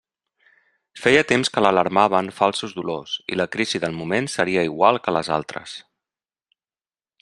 Feia temps que l'alarmaven falsos dolors i la crisi del moment seria igual que les altres.